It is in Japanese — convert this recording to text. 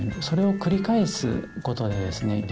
それを繰り返すことでですね